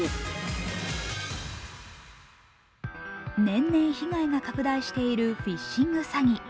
年々、被害が拡大しているフィッシング詐欺。